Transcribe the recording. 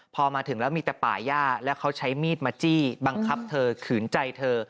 พอมาถึงแล้วมีแต่ป่าย่าแล้วเขาใช้มีดมาจี้บังคับเธอขืนใจเธอ